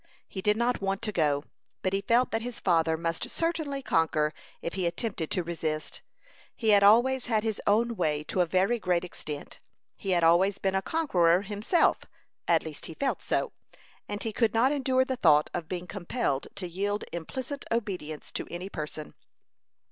He did not want to go, but he felt that his father must certainly conquer if he attempted to resist. He had always had his own way to a very great extent. He had always been a conqueror himself at least he felt so, and he could not endure the thought of being compelled to yield implicit obedience to any person.